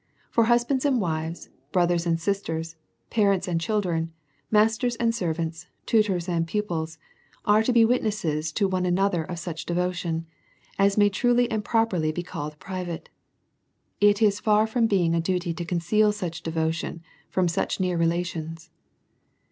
For husbands and wives, brothers and sisters, parents and children, masters and servants, tu tors and pupils, arc to be witnesses to one another of DEVOUT AND HOLY LIFE. 201 such devotion, as may truly and properly be called private. It is far from being a duty to conceal such devotion from such near relations.